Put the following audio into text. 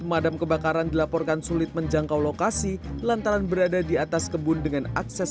pemadam kebakaran dilaporkan sulit menjangkau lokasi lantaran berada di atas kebun dengan akses